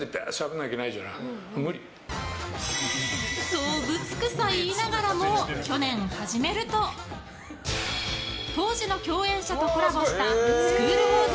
そう、ぶつくさ言いながらも去年始めると当時の共演者とコラボした「スクール☆ウォーズ」